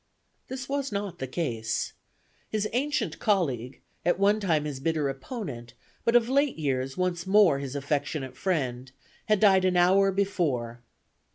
This was not the case. His ancient colleague, at one time his bitter opponent, but of late years once more his affectionate friend, had died an hour before.